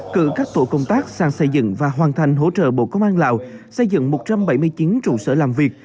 cử các tổ công tác sang xây dựng và hoàn thành hỗ trợ bộ công an lào xây dựng một trăm bảy mươi chín trụ sở làm việc